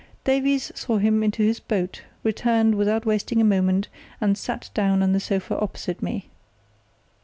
Davies saw him into his boat, returned without wasting a moment, and sat down on the sofa opposite me.